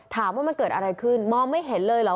ถามว่ามันเกิดอะไรขึ้นมองไม่เห็นเลยเหรอ